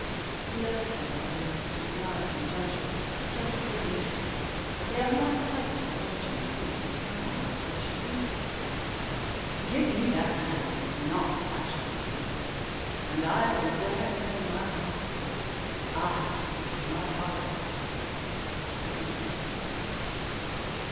_"Blessed are those whose blood And judgment are so commingled, That they are not a pipe for Fortune's finger 'To sound what stop she pleases.' 'Give me that man that is not passion's slave,' And I will wear him in my heart's core, Ay, in my heart of heart as I do thee."